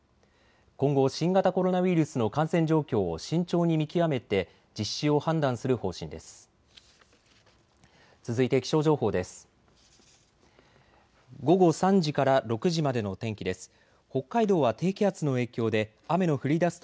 今後、新型コロナウイルスの感染状況を慎重に見極めて実施を判断する方針です。